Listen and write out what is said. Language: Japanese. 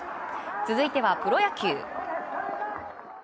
続いては、プロ野球。